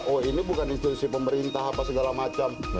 oh ini bukan institusi pemerintah apa segala macam